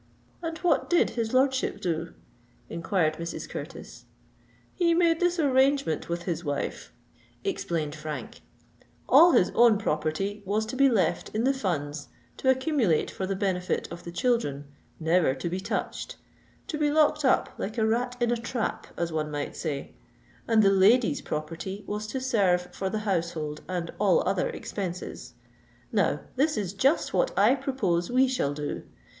"And what did his lordship do?" inquired Mrs. Curtis. "He made this arrangement with his wife," explained Frank:—"All his own property was to be left in the funds to accumulate for the benefit of the children—never to be touched—to be locked up like a rat in a trap, as one may say; and the lady's property was to serve for the household and all other expenses. Now, this is just what I propose we shall do.